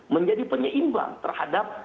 menjadi penyeimbang terhadap